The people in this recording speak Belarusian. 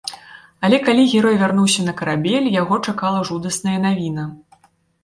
Але калі герой вярнуўся на карабель, яго чакала жудасная навіна.